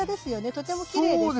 とてもきれいですよね。